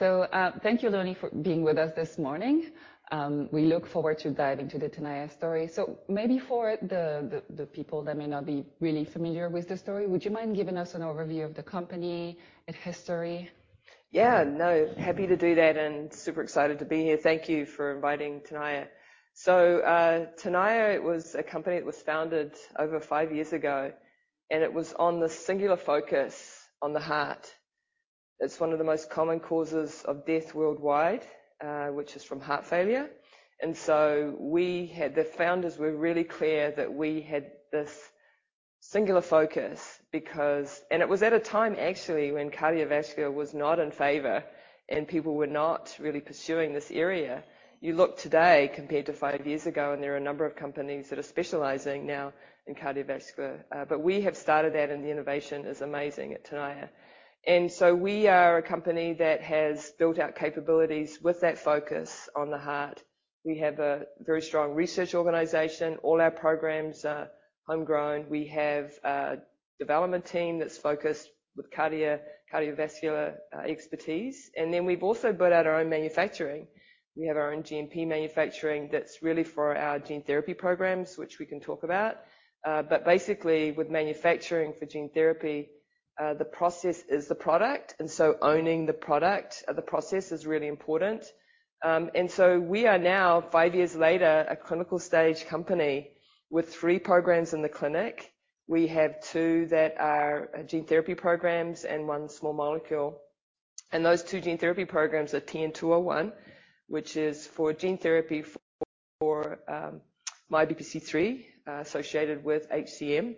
All right. So, thank you, Leone, for being with us this morning. We look forward to diving into the Tenaya story. So maybe for the people that may not be really familiar with the story, would you mind giving us an overview of the company and history? Yeah, no, happy to do that, and super excited to be here. Thank you for inviting Tenaya. So, Tenaya was a company that was founded over five years ago, and it was on the singular focus on the heart. It's one of the most common causes of death worldwide, which is from heart failure. And so we had. The founders were really clear that we had this singular focus because, and it was at a time, actually, when cardiovascular was not in favor, and people were not really pursuing this area. You look today, compared to five years ago, and there are a number of companies that are specializing now in cardiovascular. But we have started that, and the innovation is amazing at Tenaya. And so we are a company that has built out capabilities with that focus on the heart. We have a very strong research organization. All our programs are homegrown. We have a development team that's focused with cardiovascular expertise, and then we've also built out our own manufacturing. We have our own GMP manufacturing that's really for our gene therapy programs, which we can talk about. But basically, with manufacturing for gene therapy, the process is the product, and so owning the product, the process is really important. And so we are now, five years later, a clinical-stage company with three programs in the clinic. We have two that are gene therapy programs and one small molecule, and those two gene therapy programs are TN-201, which is for gene therapy for MYBPC3 associated with HCM.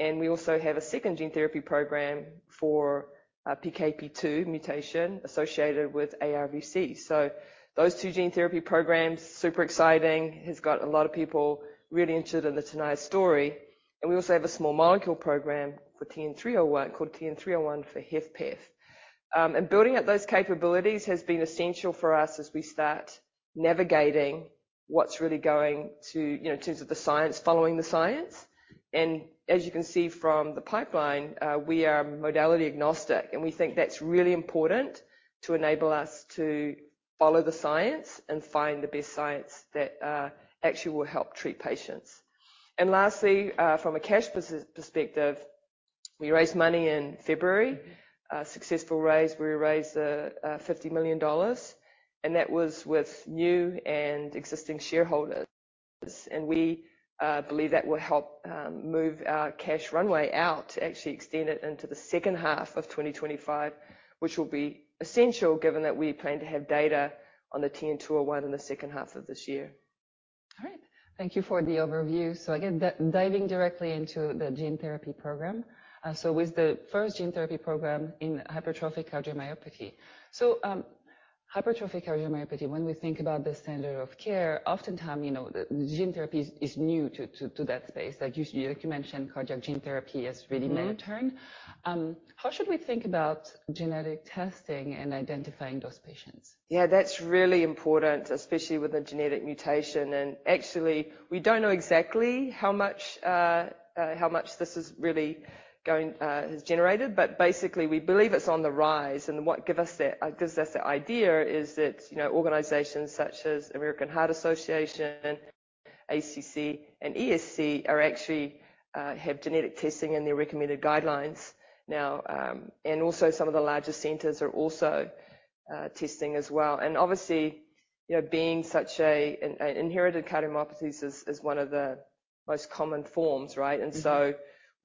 We also have a second gene therapy program for PKP2 mutation associated with ARVC. So those two gene therapy programs, super exciting, has got a lot of people really interested in the Tenaya story. And we also have a small molecule program for TN-301, called TN-301 for HFpEF. And building out those capabilities has been essential for us as we start navigating what's really going to, you know, in terms of the science, following the science. And as you can see from the pipeline, we are modality agnostic, and we think that's really important to enable us to follow the science and find the best science that, actually will help treat patients. And lastly, from a cash perspective, we raised money in February, a successful raise. We raised $50 million, and that was with new and existing shareholders. We believe that will help move our cash runway out to actually extend it into the second half of 2025, which will be essential, given that we plan to have data on the TN-201 in the second half of this year. All right. Thank you for the overview. So again, diving directly into the gene therapy program. So with the first gene therapy program in hypertrophic cardiomyopathy. So, hypertrophic cardiomyopathy, when we think about the standard of care, oftentimes, you know, the gene therapy is new to that space. Like you mentioned, cardiac gene therapy is really new term. How should we think about genetic testing and identifying those patients? Yeah, that's really important, especially with a genetic mutation, and actually, we don't know exactly how much this has generated, but basically, we believe it's on the rise. And what gives us the idea is that, you know, organizations such as American Heart Association, ACC, and ESC are actually have genetic testing in their recommended guidelines now. And also, some of the larger centers are also testing as well. And obviously, you know, being such an inherited cardiomyopathies is one of the most common forms, right? And so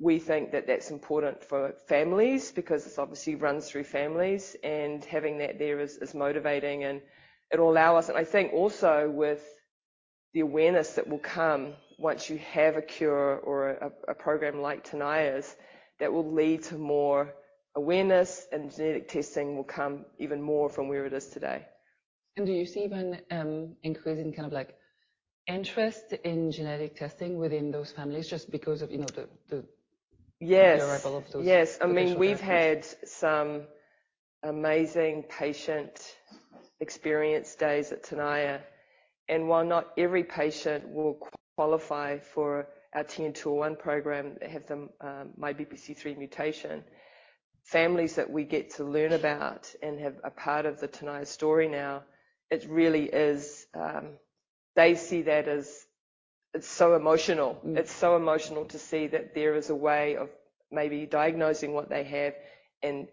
we think that that's important for families because this obviously runs through families, and having that there is motivating, and it will allow us... And I think also with the awareness that will come once you have a cure or a program like Tenaya's, that will lead to more awareness, and genetic testing will come even more from where it is today. Do you see even increase in kind of, like, interest in genetic testing within those families just because of, you know, the, the- Yes. Available of those? Yes. I mean, we've had some amazing patient experience days at Tenaya, and while not every patient will qualify for our TN-201 program, they have the MYBPC3 mutation. Families that we get to learn about and have a part of the Tenaya story now, it really is, They see that as, it's so emotional. It's so emotional to see that there is a way of maybe diagnosing what they have, and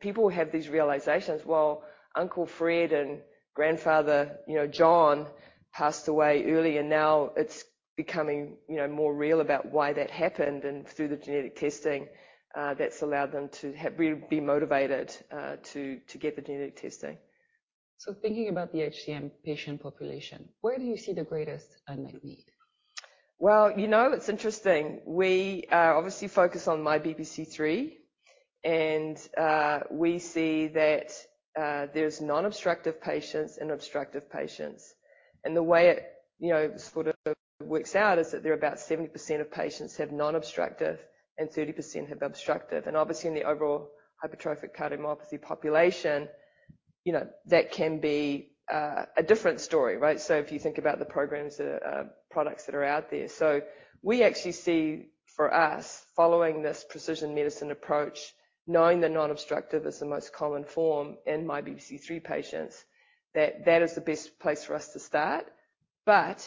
people have these realizations, well, Uncle Fred and Grandfather, you know, John, passed away early, and now it's becoming, you know, more real about why that happened and through the genetic testing. That's allowed them to have been motivated to get the genetic testing. Thinking about the HCM patient population, where do you see the greatest unmet need? Well, you know, it's interesting. We obviously focus on MYBPC3, and we see that there's non-obstructive patients and obstructive patients. And the way it, you know, sort of works out is that there are about 70% of patients have non-obstructive and 30% have obstructive. And obviously, in the overall hypertrophic cardiomyopathy population, you know, that can be a different story, right? So if you think about the programs that are products that are out there. So we actually see, for us, following this precision medicine approach, knowing that non-obstructive is the most common form in MYBPC3 patients, that that is the best place for us to start. But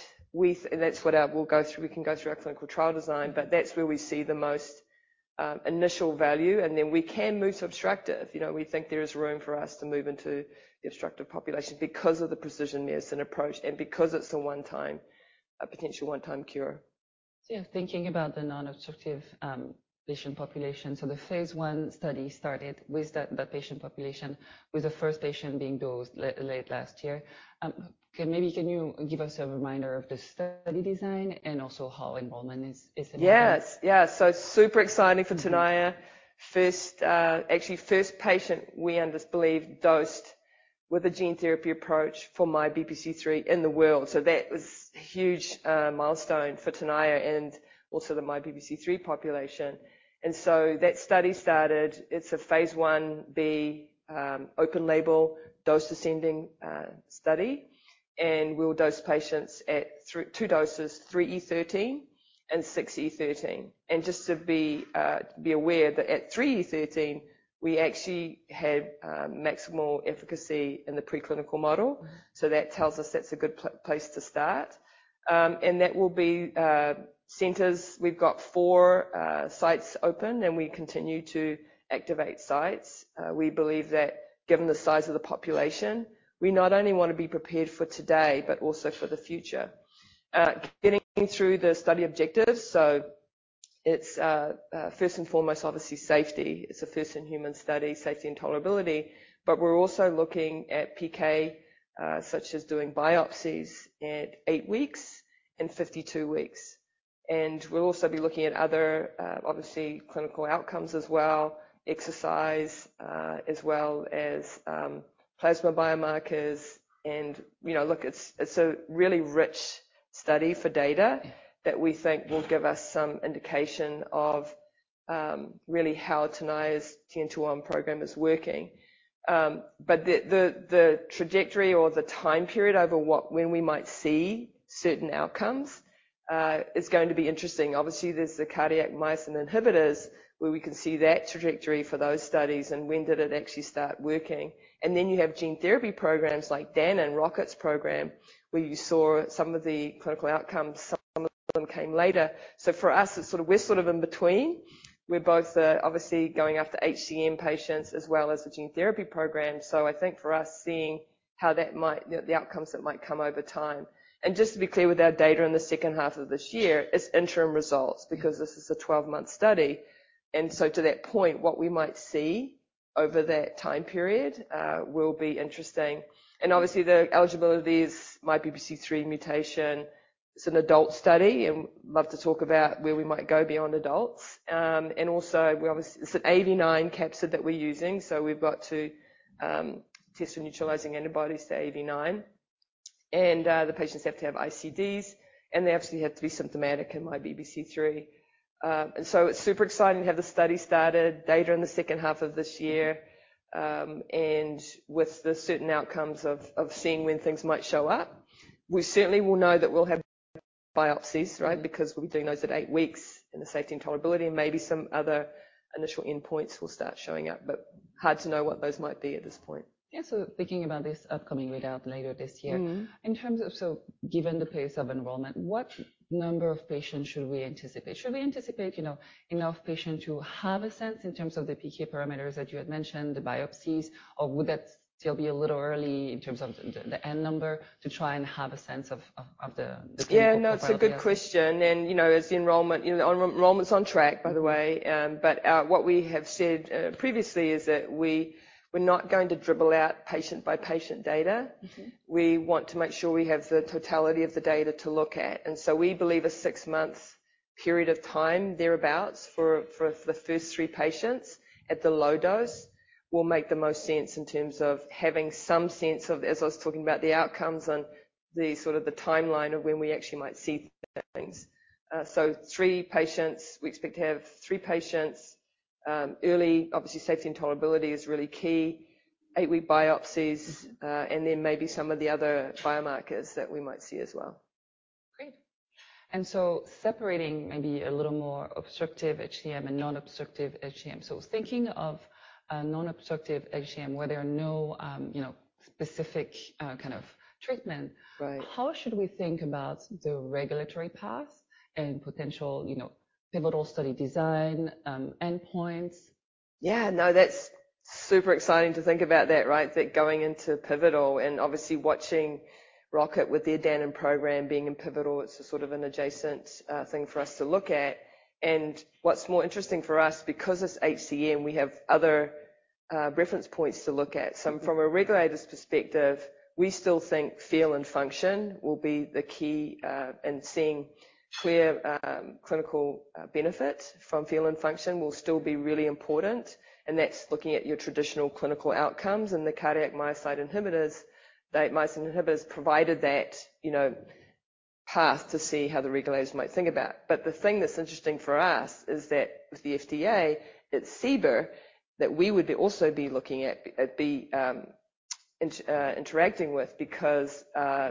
that's what our, we can go through our clinical trial design, but that's where we see the most initial value, and then we can move to obstructive. You know, we think there is room for us to move into the obstructive population because of the precision medicine approach and because it's a one-time, a potential one-time cure. So thinking about the non-obstructive patient population, the phase I study started with that patient population, with the first patient being dosed late last year. Can you maybe give us a reminder of the study design and also how enrollment is anything? Yes. Yeah. So super exciting for Tenaya. First, actually, first patient we believe dosed with a gene therapy approach for MYBPC3 in the world. So that was a huge milestone for Tenaya and also the MYBPC3 population. And so that study started. It's a phase Ib open label, dose-ascending study, and we'll dose patients at two doses, 3E13 and 6E13. And just to be aware that at 3E13, we actually had maximal efficacy in the preclinical model, so that tells us that's a good place to start. And that will be centers. We've got four sites open, and we continue to activate sites. We believe that given the size of the population, we not only want to be prepared for today but also for the future. Getting through the study objectives, so it's first and foremost, obviously, safety. It's a first in human study, safety, and tolerability, but we're also looking at PK, such as doing biopsies at 8 weeks and 52 weeks. And we'll also be looking at other, obviously, clinical outcomes as well, exercise, as well as, plasma biomarkers. And, you know, look, it's a really rich study for data that we think will give us some indication of, really how Tenaya's TN-201 program is working. But the trajectory or the time period over when we might see certain outcomes is going to be interesting. Obviously, there's the cardiac myosin inhibitors, where we can see that trajectory for those studies and when did it actually start working. Then you have gene therapy programs like Danon and Rocket's program, where you saw some of the clinical outcomes, some of them came later. So for us, it's sort of, we're sort of in between. We're both obviously going after HCM patients as well as the gene therapy program. So I think for us, seeing how that might, the outcomes that might come over time. And just to be clear, with our data in the second half of this year, it's interim results because this is a 12-month study. And so to that point, what we might see over that time period will be interesting. And obviously, the eligibility is MYBPC3 mutation. It's an adult study, and love to talk about where we might go beyond adults. And also, it's an AAV9 capsid that we're using, so we've got to test for neutralizing antibodies to AAV9. And the patients have to have ICDs, and they obviously have to be symptomatic in MYBPC3. And so it's super exciting to have the study started, data in the second half of this year, and with the certain outcomes of seeing when things might show up. We certainly will know that we'll have biopsies, right? Because we'll be doing those at eight weeks in the safety and tolerability, and maybe some other initial endpoints will start showing up, but hard to know what those might be at this point. Yeah. So thinking about this upcoming readout later this year. In terms of, so given the pace of enrollment, what number of patients should we anticipate? Should we anticipate, you know, enough patients to have a sense in terms of the PK parameters that you had mentioned, the biopsies, or would that still be a little early in terms of the end number to try and have a sense of the- Yeah, no, it's a good question. You know, as the enrollment, you know, enrollment's on track, by the way. But what we have said previously is that we're not going to dribble out patient-by-patient data. We want to make sure we have the totality of the data to look at. And so we believe a 6-month period of time thereabout for, for the first three patients at the low dose, will make the most sense in terms of having some sense of, as I was talking about, the outcomes and the sort of the timeline of when we actually might see things. So three patients, we expect to have 3 patients. Early, obviously, safety and tolerability is really key. 8-week biopsies, and then maybe some of the other biomarkers that we might see as well. Great. And so separating maybe a little more obstructive HCM and non-obstructive HCM. So thinking of non-obstructive HCM, where there are no, you know, specific kind of treatment- How should we think about the regulatory path and potential, you know, pivotal study design, endpoints? Yeah, no, that's super exciting to think about that, right? That going into pivotal and obviously watching Rocket with their Danon program being in pivotal, it's a sort of an adjacent thing for us to look at. And what's more interesting for us, because it's HCM, we have other reference points to look at. So from a regulator's perspective, we still think feel and function will be the key in seeing clear clinical benefit from feel and function will still be really important, and that's looking at your traditional clinical outcomes and the cardiac myosin inhibitors, that myosin inhibitors, provided that, you know-... But the thing that's interesting for us is that with the FDA, it's CBER, that we would also be looking at, at the interacting with, because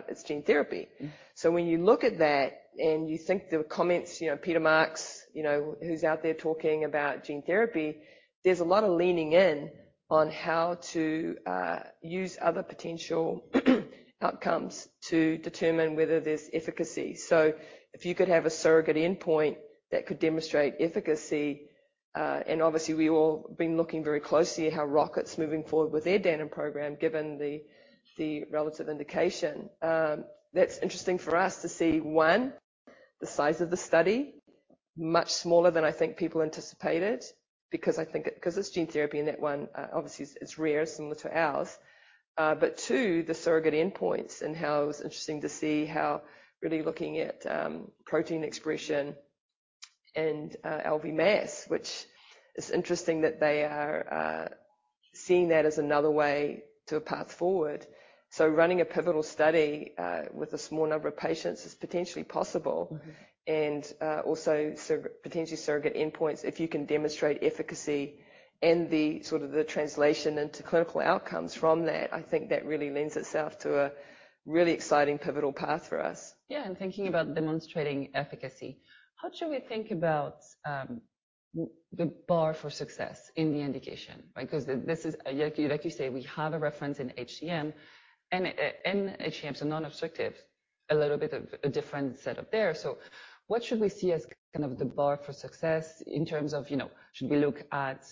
it's gene therapy. So when you look at that and you think the comments, you know, Peter Marks, you know, who's out there talking about gene therapy, there's a lot of leaning in on how to use other potential outcomes to determine whether there's efficacy. So if you could have a surrogate endpoint that could demonstrate efficacy, and obviously, we all been looking very closely at how Rocket's moving forward with their Danon program, given the relative indication. That's interesting for us to see, one, the size of the study, much smaller than I think people anticipated, because I think, 'cause it's gene therapy, and that one, obviously is, it's rare, similar to ours. But two, the surrogate endpoints and how it was interesting to see how really looking at protein expression and LV mass, which is interesting that they are seeing that as another way to a path forward. So running a pivotal study with a small number of patients is potentially possible. Also potentially surrogate endpoints, if you can demonstrate efficacy and the sort of the translation into clinical outcomes from that, I think that really lends itself to a really exciting, pivotal path for us. Yeah, and thinking about demonstrating efficacy, how should we think about the bar for success in the indication? Because this is, like you, like you say, we have a reference in HCM, and HCM is a non-obstructive, a little bit of a different set up there. So what should we see as kind of the bar for success in terms of, you know, should we look at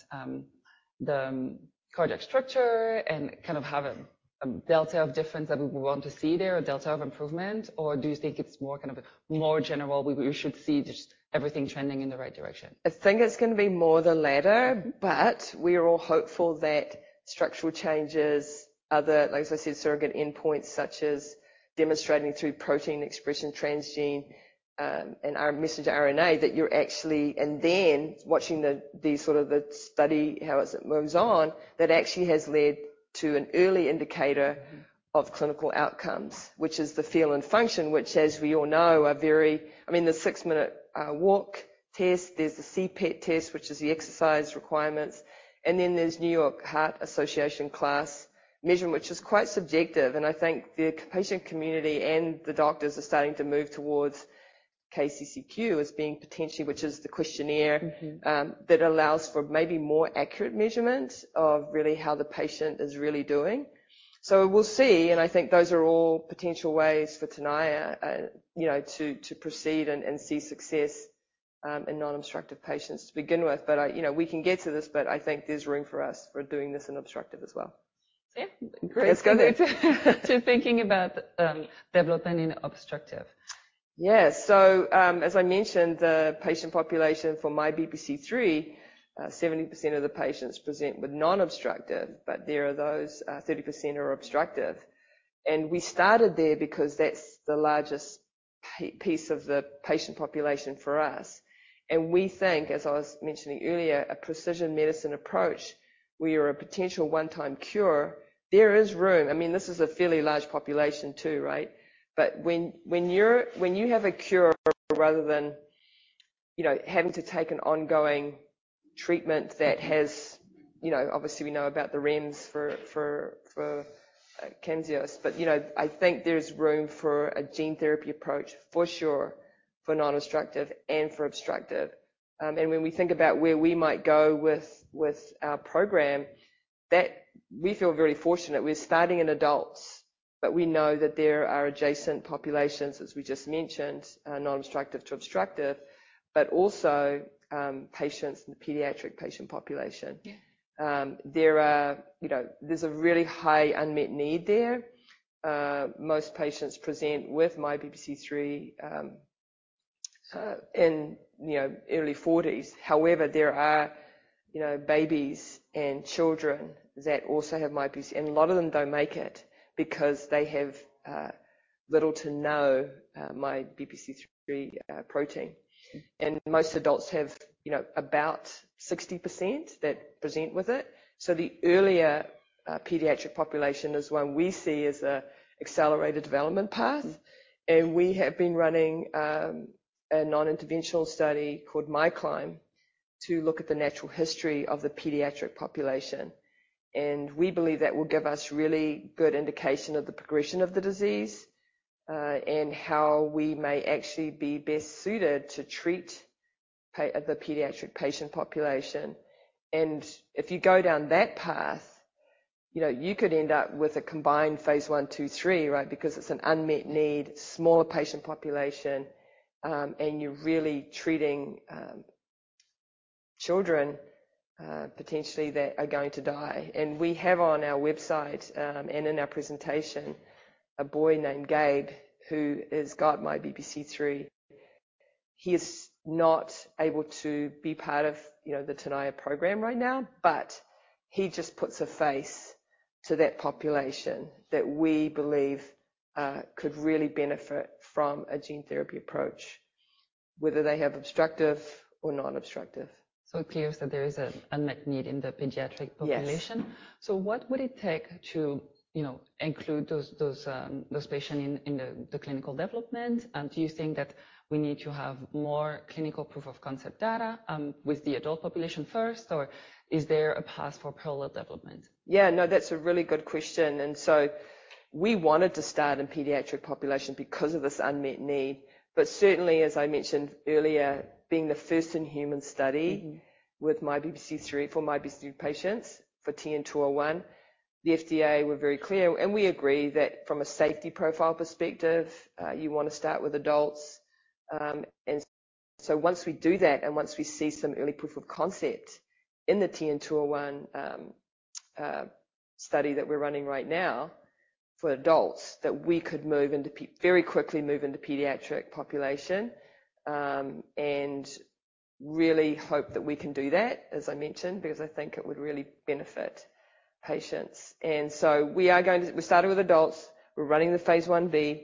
the cardiac structure and kind of have a delta of difference that we want to see there, a delta of improvement? Or do you think it's more kind of a more general, we should see just everything trending in the right direction? I think it's gonna be more the latter, but we are all hopeful that structural changes, other, like, as I said, surrogate endpoints, such as demonstrating through protein expression transgene, and our messenger RNA, that you're actually... And then watching the sort of the study, how it moves on, that actually has led to an early indicator of clinical outcomes, which is the feel and function, which, as we all know, are very, I mean, the six-minute walk test, there's the CPET test, which is the exercise requirements, and then there's New York Heart Association class measurement, which is quite subjective, and I think the patient community and the doctors are starting to move towards KCCQ as being potentially, which is the questionnaire- that allows for maybe more accurate measurement of really how the patient is really doing. So we'll see, and I think those are all potential ways for Tenaya, you know, to proceed and see success, in non-obstructive patients to begin with. But I... You know, we can get to this, but I think there's room for us for doing this in obstructive as well. Yeah, great. Let's go there. Thinking about development in obstructive. Yes. So, as I mentioned, the patient population for MYBPC3, 70% of the patients present with non-obstructive, but there are those 30% are obstructive. And we started there because that's the largest piece of the patient population for us. And we think, as I was mentioning earlier, a precision medicine approach, where you're a potential one-time cure, there is room. I mean, this is a fairly large population, too, right? But when you have a cure rather than, you know, having to take an ongoing treatment that has, you know, obviously we know about the REMS for Camzyos. But, you know, I think there's room for a gene therapy approach, for sure, for non-obstructive and for obstructive. And when we think about where we might go with our program, that we feel very fortunate. We're starting in adults, but we know that there are adjacent populations, as we just mentioned, non-obstructive to obstructive, but also, patients in the pediatric patient population. Yeah. There are, you know, there's a really high unmet need there. Most patients present with MYBPC3, in, you know, early forties. However, there are, you know, babies and children that also have MYBPC3, and a lot of them don't make it because they have little to no MYBPC3 protein. And most adults have, you know, about 60% that present with it. So the earlier pediatric population is one we see as a accelerated development path, and we have been running a non-interventional study called MyClimb to look at the natural history of the pediatric population. And we believe that will give us really good indication of the progression of the disease, and how we may actually be best suited to treat the pediatric patient population. And if you go down that path, you know, you could end up with a combined phase I, II, III, right? Because it's an unmet need, smaller patient population, and you're really treating children, potentially that are going to die. And we have on our website, and in our presentation, a boy named Gabe, who has got MYBPC3. He is not able to be part of, you know, the Tenaya program right now, but he just puts a face to that population that we believe could really benefit from a gene therapy approach... whether they have obstructive or non-obstructive. It appears that there is an unmet need in the pediatric population? Yes. So what would it take to, you know, include those patients in the clinical development? And do you think that we need to have more clinical proof of concept data with the adult population first, or is there a path for parallel development? Yeah, no, that's a really good question. So we wanted to start in pediatric population because of this unmet need. But certainly, as I mentioned earlier, being the first in human study with MYBPC3, for MYBPC3 patients, for TN-201, the FDA were very clear, and we agree, that from a safety profile perspective, you want to start with adults. And so once we do that, and once we see some early proof of concept in the TN-201 study that we're running right now for adults, that we could move into very quickly move into pediatric population. And really hope that we can do that, as I mentioned, because I think it would really benefit patients. And so we are going to. We started with adults. We're running the phase Ib.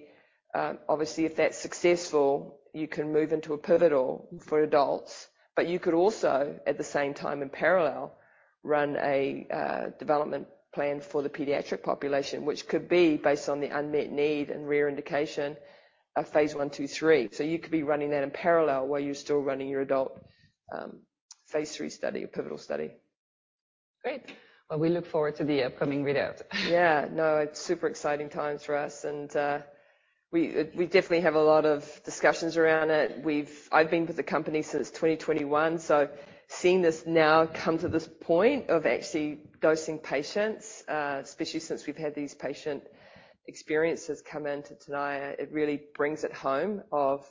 Obviously, if that's successful, you can move into a pivotal for adults, but you could also, at the same time in parallel, run a development plan for the pediatric population, which could be based on the unmet need and rare indication of phase I, II, III. So you could be running that in parallel while you're still running your adult phase III study, a pivotal study. Great. Well, we look forward to the upcoming read out. Yeah. No, it's super exciting times for us, and we definitely have a lot of discussions around it. I've been with the company since 2021, so seeing this now come to this point of actually dosing patients, especially since we've had these patient experiences come in to Tenaya, it really brings it home of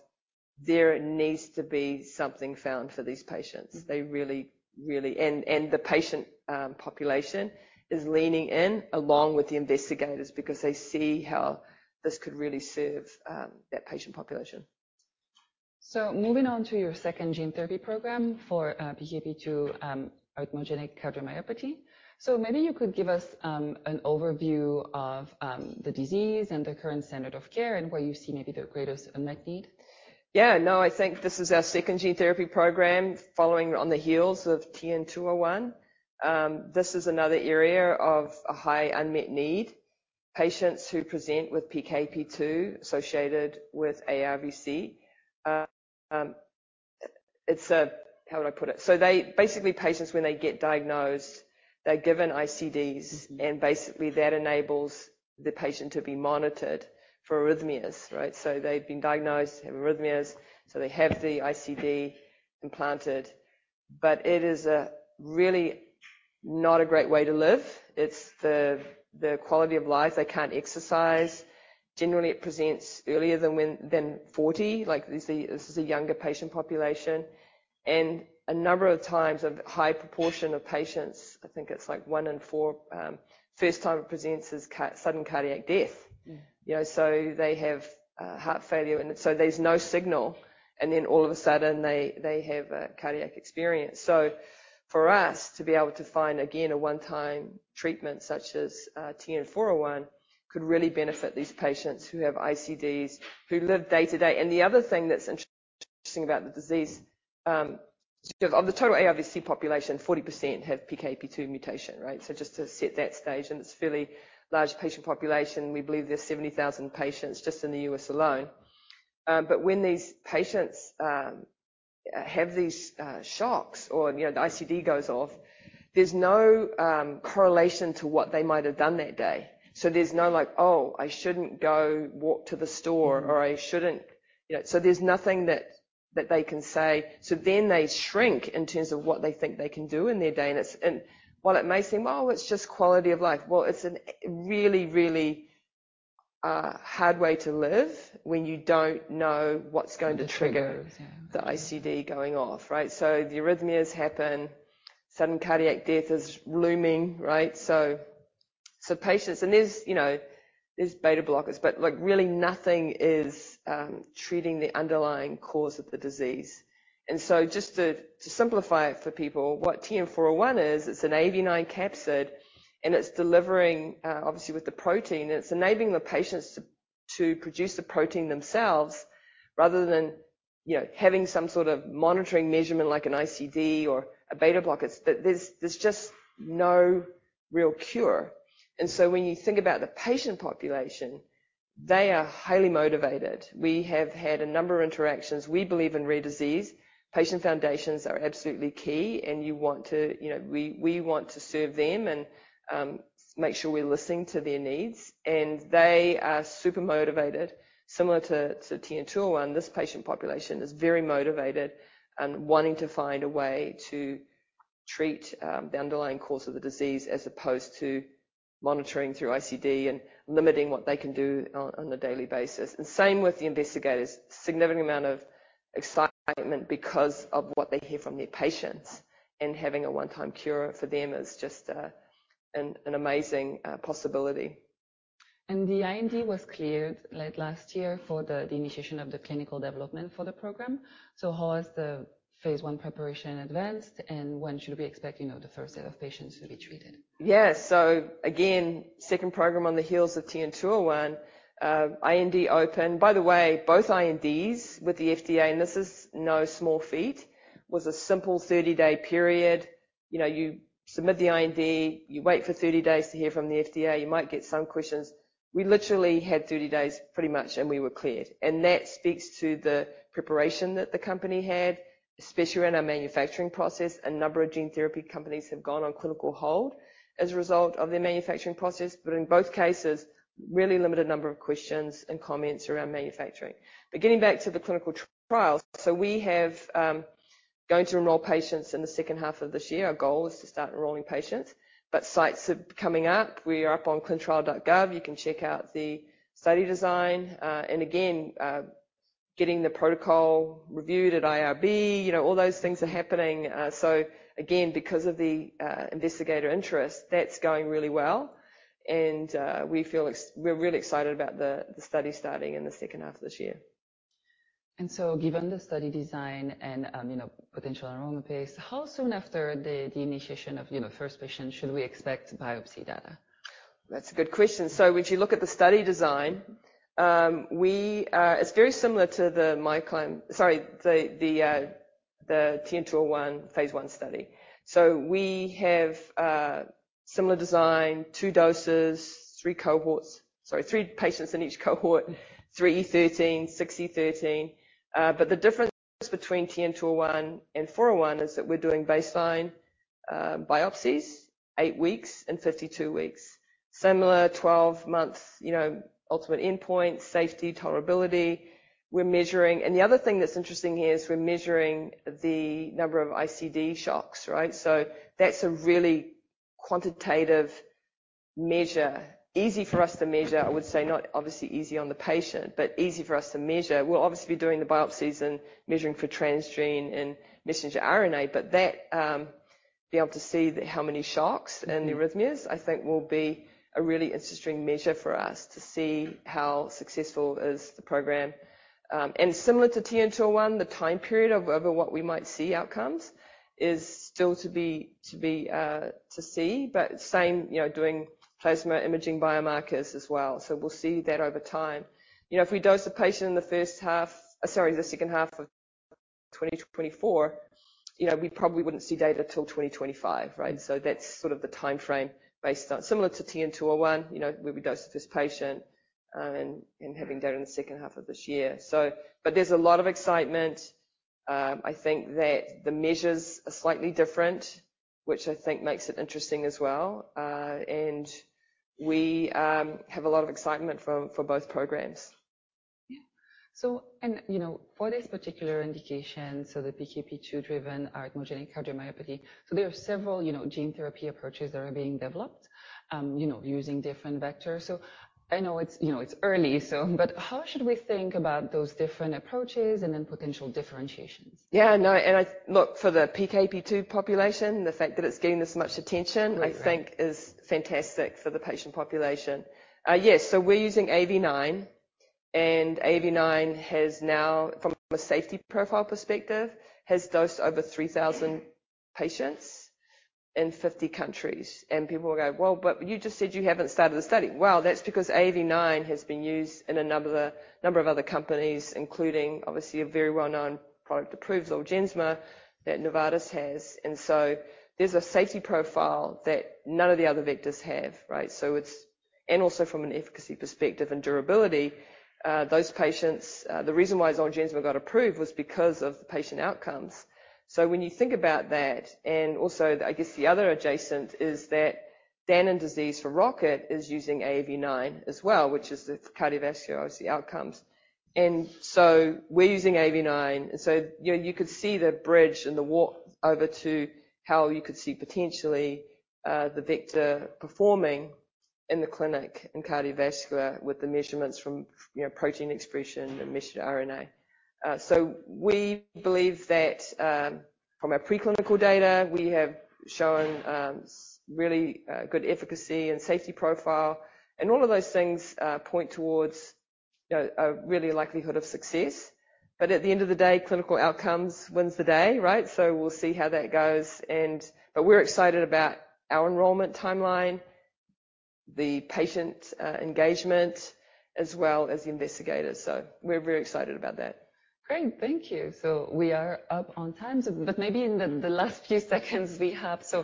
there needs to be something found for these patients. They really, really. And the patient population is leaning in along with the investigators because they see how this could really serve that patient population. So moving on to your second gene therapy program for PKP2 arrhythmogenic cardiomyopathy. So maybe you could give us an overview of the disease and the current standard of care and where you see maybe the greatest unmet need. Yeah, no, I think this is our second gene therapy program, following on the heels of TN-201. This is another area of a high unmet need. Patients who present with PKP2-associated ARVC, it's a... How would I put it? So they, basically, patients, when they get diagnosed, they're given ICDs, and basically, that enables the patient to be monitored for arrhythmias, right? So they've been diagnosed, have arrhythmias, so they have the ICD implanted, but it is really not a great way to live. It's the quality of life. They can't exercise. Generally, it presents earlier than 40. Like, this is a younger patient population, and a number of times of high proportion of patients, I think it's like one in four, first time it presents is sudden cardiac death. You know, so they have heart failure, and so there's no signal, and then all of a sudden they, they have a cardiac experience. So for us to be able to find, again, a one-time treatment such as TN-401, could really benefit these patients who have ICDs, who live day to day. And the other thing that's interesting about the disease, of the total ARVC population, 40% have PKP2 mutation, right? So just to set that stage, and it's a fairly large patient population. We believe there's 70,000 patients just in the U.S. alone. But when these patients have these shocks or, you know, the ICD goes off, there's no correlation to what they might have done that day. So there's no like, "Oh, I shouldn't go walk to the store,"- -or, "I shouldn't..." You know, so there's nothing that, that they can say. So then they shrink in terms of what they think they can do in their day. And it's... And while it may seem, oh, it's just quality of life, well, it's an, really, really, hard way to live when you don't know what's going to trigger- Trigger, yeah... the ICD going off, right? So the arrhythmias happen, sudden cardiac death is looming, right? So patients... And there's, you know, there's beta blockers, but, like, really nothing is treating the underlying cause of the disease. And so just to simplify it for people, what TN-401 is, it's an AAV9 capsid, and it's delivering, obviously, with the protein, it's enabling the patients to produce the protein themselves rather than, you know, having some sort of monitoring measurement like an ICD or a beta blockers. But there's just no real cure. And so when you think about the patient population, they are highly motivated. We have had a number of interactions. We believe in rare disease. Patient foundations are absolutely key, and you want to, you know, we, we want to serve them and make sure we're listening to their needs, and they are super motivated. Similar to TN-201, this patient population is very motivated and wanting to find a way to treat the underlying cause of the disease, as opposed to monitoring through ICD and limiting what they can do on a daily basis. And same with the investigators. Significant amount of excitement because of what they hear from their patients, and having a one-time cure for them is just an amazing possibility. The IND was cleared late last year for the initiation of the clinical development for the program. So how is the phase I preparation advanced, and when should we expect, you know, the first set of patients to be treated? Yes. So again, second program on the heels of TN-201, IND open. By the way, both INDs with the FDA, and this is no small feat—it was a simple 30-day period. You know, you submit the IND, you wait for 30 days to hear from the FDA. You might get some questions. We literally had 30 days, pretty much, and we were cleared, and that speaks to the preparation that the company had, especially around our manufacturing process. A number of gene therapy companies have gone on clinical hold as a result of their manufacturing process, but in both cases, really limited number of questions and comments around manufacturing. But getting back to the clinical trials, so we have, going to enroll patients in the second half of this year. Our goal is to start enrolling patients, but sites are coming up. We are up on ClinicalTrials.gov. You can check out the study design, and again, getting the protocol reviewed at IRB, you know, all those things are happening. So again, because of the investigator interest, that's going really well, and we feel we're really excited about the study starting in the second half of this year. And so given the study design and, you know, potential enrollment pace, how soon after the initiation of, you know, first patient should we expect biopsy data? That's a good question. So when you look at the study design, we... It's very similar to the MyClimb... Sorry, the TN-201 phase I study. So we have similar design, 2 doses, 3 cohorts, sorry, 3 patients in each cohort, 3E13, 6E13. But the difference between TN-201 and TN-401 is that we're doing baseline biopsies, 8 weeks and 52 weeks. Similar 12 months, you know, ultimate endpoint, safety, tolerability, we're measuring. And the other thing that's interesting here is we're measuring the number of ICD shocks, right? So that's a really quantitative measure, easy for us to measure, I would say, not obviously easy on the patient, but easy for us to measure. We're obviously doing the biopsies and measuring for transgene and messenger RNA, but that be able to see the how many shocks and arrhythmias, I think will be a really interesting measure for us to see how successful is the program. And similar to TN-201, the time period of over what we might see outcomes is still to be, to be to see, but same, you know, doing plasma imaging biomarkers as well. So we'll see that over time. You know, if we dose a patient in the first half, sorry, the second half of 2024, you know, we probably wouldn't see data till 2025, right? So that's sort of the time frame based on... Similar to TN-201, you know, where we dosed this patient, and having data in the second half of this year. So, but there's a lot of excitement. I think that the measures are slightly different, which I think makes it interesting as well. And we have a lot of excitement for, for both programs. You know, for this particular indication, so the PKP2-driven arrhythmogenic cardiomyopathy, so there are several, you know, gene therapy approaches that are being developed, you know, using different vectors. So I know it's, you know, it's early, so, but how should we think about those different approaches and then potential differentiations? Yeah, I know, and I... Look, for the PKP2 population, the fact that it's getting this much attention I think is fantastic for the patient population. Yes, so we're using AAV9, and AAV9 has now, from a safety profile perspective, has dosed over 3,000 patients in 50 countries, and people will go, "Well, but you just said you haven't started the study." Well, that's because AAV9 has been used in a number of, number of other companies, including obviously a very well-known product, approved Zolgensma, that Novartis has. And so there's a safety profile that none of the other vectors have, right? So it's. And also from an efficacy perspective and durability, those patients, the reason why Zolgensma got approved was because of the patient outcomes. So when you think about that, and also, I guess, the other adjacent is that Duchenne disease for Rocket is using AAV9 as well, which is the cardiovascular outcomes. And so we're using AAV9, and so, you know, you could see the bridge and the walk over to how you could see potentially, the vector performing in the clinic in cardiovascular with the measurements from, you know, protein expression and measured RNA. So we believe that, from our preclinical data, we have shown, really, good efficacy and safety profile, and all of those things, point towards, a really likelihood of success. But at the end of the day, clinical outcomes wins the day, right? So we'll see how that goes, and... But we're excited about our enrollment timeline, the patient, engagement, as well as the investigators. So we're very excited about that. Great. Thank you. So we are up on time, but maybe in the last few seconds we have, so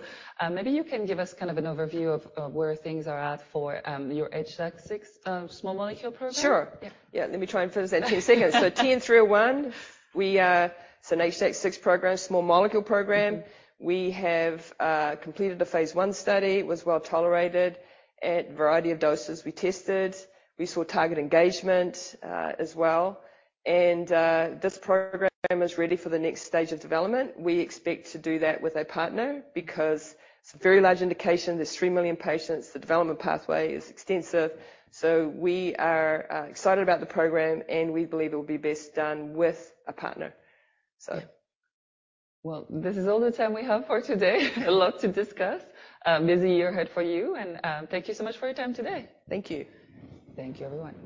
maybe you can give us kind of an overview of where things are at for your HDAC6 small molecule program? Sure. Yeah. Yeah. Let me try and finish that in 2 seconds. So TN-301, we are... It's an HDAC6 program, small molecule program. We have completed a phase I study. It was well tolerated at a variety of doses we tested. We saw target engagement, as well, and this program is ready for the next stage of development. We expect to do that with a partner because it's a very large indication. There's 3 million patients. The development pathway is extensive, so we are excited about the program, and we believe it will be best done with a partner, so... Well, this is all the time we have for today. A lot to discuss. A busy year ahead for you and, thank you so much for your time today. Thank you. Thank you, everyone.